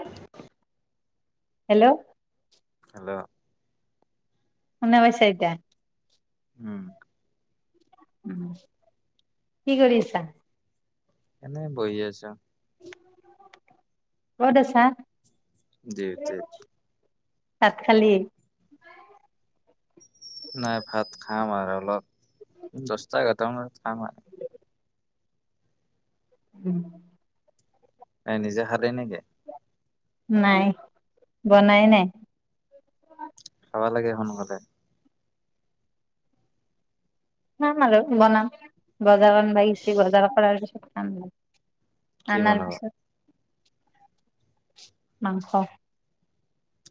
[inaudible] Hello. [unintelligible] [unintelligible] উম, উম, কি কৰি আছা? এনে বহি আছো। ক'ত আছা? [unintelligible] তাত খালি? নাই ভাত খাম আৰু অলপ দছটা এঘাৰটামানত খাম আৰু। উম, নাই নিজে হা [inaudible] নাই বনাই নাই। খাবা লাগে সোনকালে। হয় বাৰু বনাম। বজাবন বাইছে বজাৰৰ পৰা পৰা উম, কি আনাৰ বনাব পিছত? মাংস।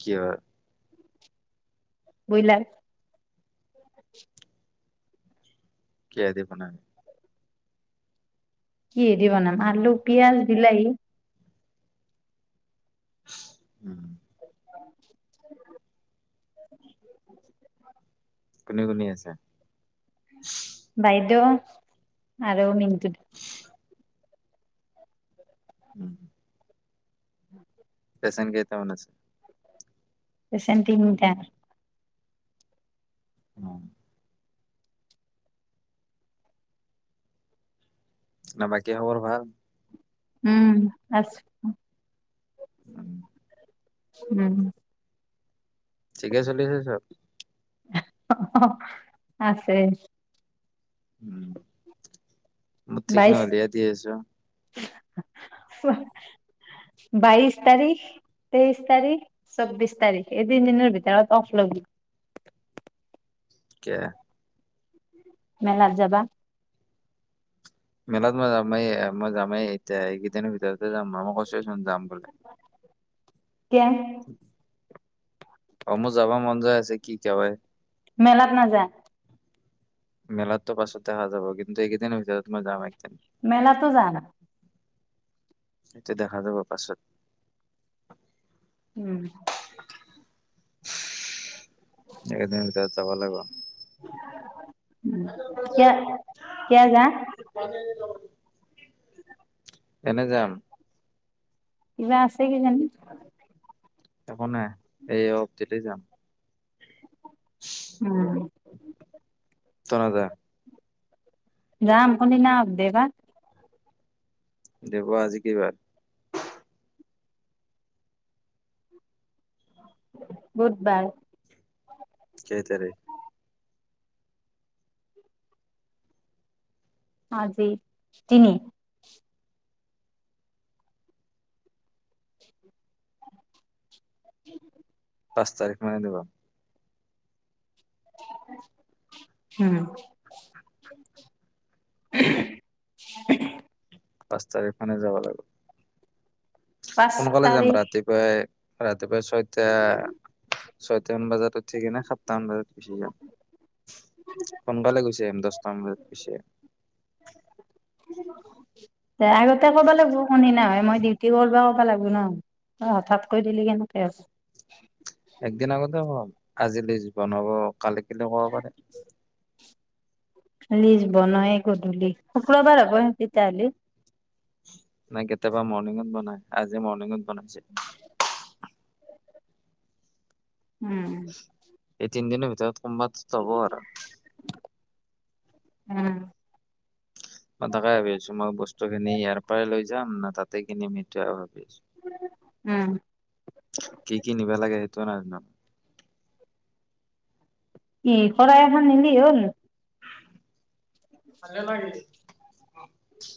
কিবা বুইলাৰ। কিহে দি বনাবি? কিহে দি বনাম? আলু পিয়াজ বিলাহি। [inaudible] উম, [inaudible] কোনে বনাই আছা? বাইদেউ আৰু [unintelligible] উম, [inaudible] এচাইন কেইটামান আছে? এচাইন তিনটা। অ, না বাকী খবৰ ভাল? উম', আচ উম উম, ঠিকে চলি আছে চব? অ, অ, আছে। উম মঠিক ন হলিয় দিয় আছো বাইচ তাৰিখ তেইচ তাৰিখ চৌবিচ তাৰিখ এই তিন দিনৰ ভিতৰত অফ লবি। কে মেলাত যাবা মেলাত মই যামেই মই যামেই এতিয়া এই কেইদিনৰ ভিতৰতে যাম। মা, মই কৈছোৱে চোন যাম বুলি। ক অ মো যাব মন যায় আছে কি কৱাই মেলাত নাযাও মেলাৰ তো পাছত দেখা যাব কিন্তু এই কেইদিনৰ ভিতৰত মই যামেই। মেলাটো জানা। সেইটো দেখা যাব পাছত। উম একদিনৰ ভিতৰত যাব লাগিব। উম, কিয় কিয় যা এনে যাম। কিবা আছে কিজানি! একো নাই। ঐ ক কেতিয়া যাম? উম তই নাযাওঁ নে? যাম, কোন দিনা অফ দিয়ে বা। দেবু আজি কি বাৰ? বুধবাৰ। কেই তাৰিখ আজি তিনি পাঁচ তাৰিখ মানে দিবা। ওম পাঁচ তাৰিখ মানে যাবা লাগিব। পাঁচ সোনকালে যাম তাৰিখ ৰাতিপুৱাই ৰাতিপুৱা ছয়টা ছয়টামান বজাত উঠিকেনে সাতটা মান বজাত গুচি যাম। সোনকালে গুচি আহিম দহটামান বজাত গুচি আহিম। উ আগতে ক'ব লাগিব কোননো হয়। মই ডিউটি কৰিব ুৱ লাগো ন তই হঠাৎ দিলি কেনেকে? এক দিন আগতে হ'ব? আজিলি জীৱন হব কালি কেনেকুৱা পাল? প্লিজ বনাওঁক। গধূলি শুক্ৰবাৰে হব নেকি! চালি নাই কেতিয়াবা মৰ্ণিঙত বনাই আজি মৰ্ণিঙত। কোন আহিছে? উম্‌- এই তিনদিনৰ ভিতৰত কোম্‌বাত টো হব আৰু। উম্‌- মই তাকে ভাবি আছোঁ, মই বস্তুখিনি ইয়াৰ পৰাই লৈ যা যাম ন তাতে কিনি পাবি। [unintelligible] উম্‌- কি -কি নিবা লাগে সেইটোও নাজনো। ই শৰাই এখন নিলি হ'ল। ভালে লাগিল। অহ ',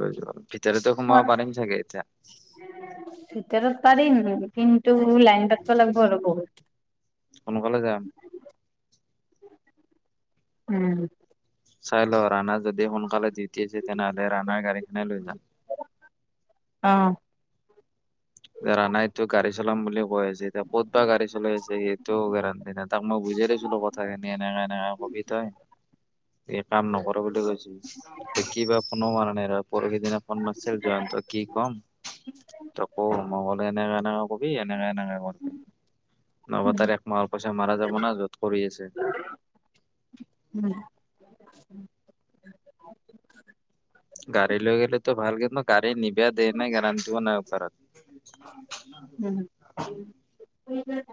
[inaudible] ভিতৰতো সোমাব পাৰিম ছাগে এতিয়া, ভিতৰত পাৰি কিন্তু লাইন পাতব' লাগব' আৰু বহুত। সোনকালে যাম। উম্‌ চাই লও ৰাণাৰ যদি সোনকালে ডিউটি আছে তেনেহলে ৰাণাৰ গাড়ীখনে লৈ যাম। অ' যে', ৰানাইটো গাড়ী চলাম বুলি কৈ আছে। যে, 'এতিয়া ক'ত বা গাড়ী চলাই আছে সি, সেইটোও গেৰাণ্টি নাই। তাক মই বুজাই দিছিলোঁ কথাখিনি এনেকে -এনেকে কবি তই। এই', কাম নকৰো বুলি কৈছি। এ', কি, বা ফোনো মাৰা নাই ৰ', পৰহি দিনা ফোন মাৰছিল জয়ন্তই, কি ক'ম- তোক। ম' বোলো এনেকে কবি, এনেকে এনেকে কৈছে। নহব, তাৰ এক মাহৰ পইছা মাৰা যাব না য'ত কৰি আছে। উম্‌', গাড়ী লৈ গেলেটো ভাল, কিন্তু গাড়ী নিবা দেই নে নাই গেৰাণ্টিও নাই ওপৰত। উম্‌- উম্ - উম্ - উ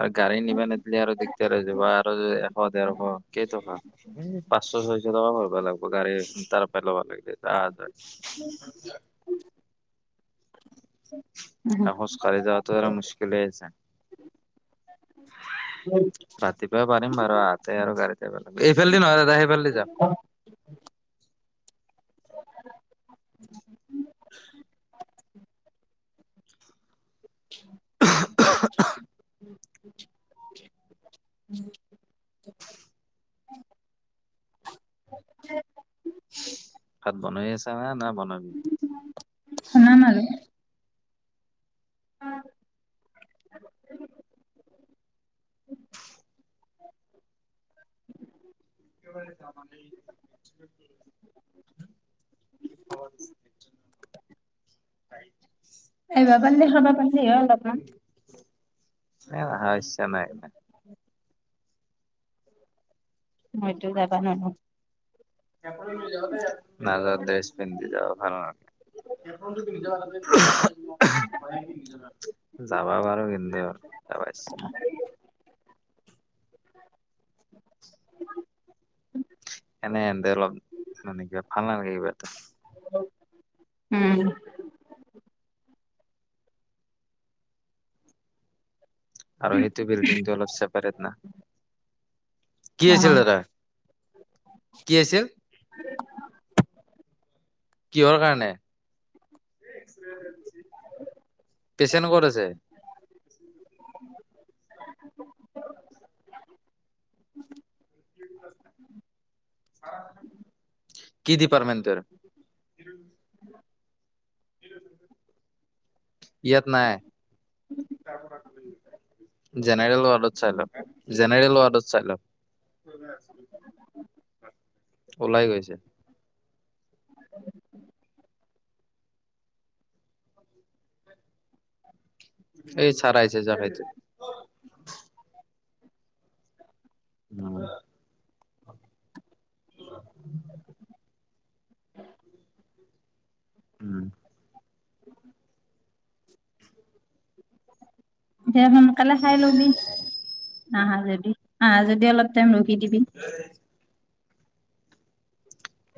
আৰু গাড়ী নিবা নেদলি আৰু দিগদাৰ হৈ যাব আৰু যে এশ দেৰশ কেই টকা? পাঁচশ ছয়শ টকা ভৰ্‌ বা লাগব' গাড়ী- তাৰ পাই ল'ব লাগলি। তাৰয [unintelligible] হ ', খোজ -কাঢ়ি যাৱাটো আৰু মুস্কিলেই আছে। ৰাতিপুৱা পাৰিম বাৰু আহাতে আৰু গাড়ীতে আহিবা লাগব',। এইফালদি নহয়, দাদা সেইফালদি যাওক। [inaudible] [unintelligible] [unintelligible] ভাত বনাই আছা নে, না বনাবি? শুনাম অ [unintelligible] [unintelligible] [unintelligible] [unintelligible] হয় [inaudible] [unintelligible] [unintelligible] [inaudible] যাব বাৰো কিন্তু যাবা ইচ্ছা নাই। এনে এন্দেৰ অলপ, মানে কিবা ভাল নালাগে এইবাত। উম। আৰু সেইটো বিল্ডিংটো অলপ চছেপাৰেট না, কি আছিল আহ দাদা? কি আছিল? কিহৰ কাৰণে, পেচেণ্ট ক'ত আছে? কি পৰ্মেন্তেৰ [inaudible] ইয়াত নাই, জা জেনেৰেল ৱাৰ্ডত চাইলক জেনেৰেল ৱাৰ্ডত চাইলক। ওলাই গৈছে। এই চাৰ আহিছে জাৰাইট। উ উম। দে সোনকালে খাই লবি। আহা যদি আহ যদি অলপ টেম ৰখি দিবি।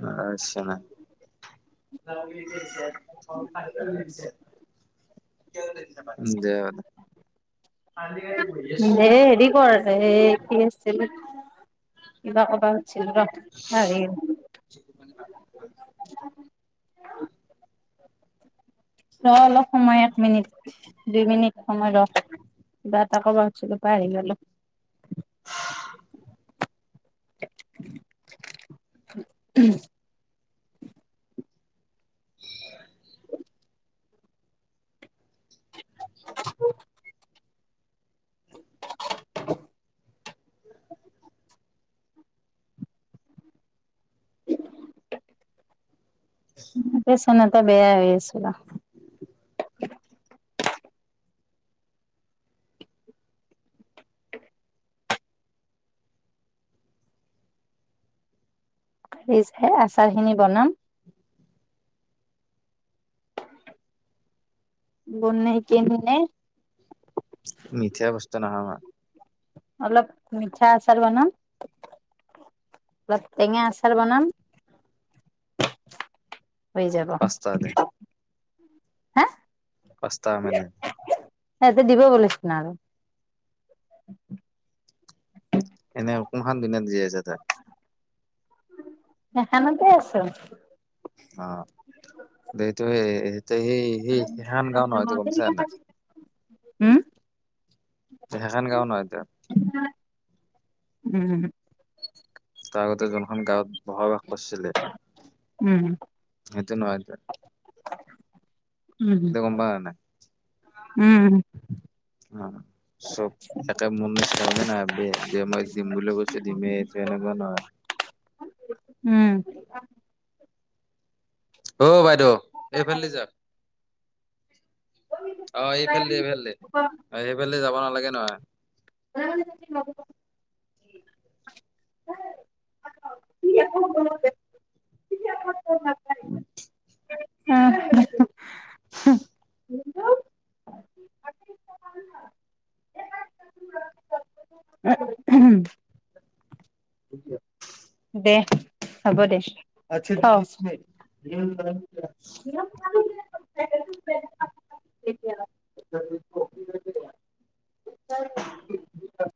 আচছা ন, দে। এ হেৰি কৰ যে এ কি আছিল কিবা কব হছিল ৰ হ ৰ অলপ সময় এক মিনিট দুই মিনিট সময় ৰ, কিবা এটা কব খুজছিলো পাহৰি গলো। উ। [inaudible] উ পেচ চনেত বেয়া হৈ আছিল। ৰিজ হেই আচাৰ খিনি বনাম। বনাই কেনে মিথে বস্তা নহা ম অলপ মিঠা আচাৰ বনাম অ টেঙা আচাৰ বনাম হৈ যাব পাস্তা দে হা পাস্তা মানে ইয়াতে দিব বুলি ন আৰু এনে কোনখন বিনদ যে আছে ত এখানতে আছো অ বেইটোই এ সেই সেই সেহান গাও নহয়টো গমছা নাই হম সেইখখন গাওঁ নহয় ত উম তাৰ আগতে যোনখন গাঁৱত বসবাস কৰিছিলে উম সেইটোনই উম নাই উম অ চব একে মোৰ নিচিনা বুলি নাই যে মই দিম বুলি কৈছো দিমেই এইটো এনেকুৱা নহয় অ ভাই এইফালে যাক [unintelligible] অ এই ফালে এই ফালে স ফালে যাব নালাগে নহয় অ অ উ [inaudible] উম দে হব দে আ উ [inaudible]